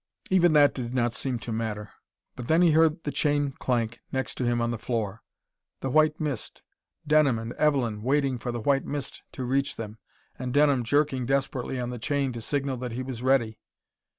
Even that did not seem to matter. But then he heard the chain clank, next to him on the floor. The white mist! Denham and Evelyn waiting for the white mist to reach them, and Denham jerking desperately on the chain to signal that he was ready....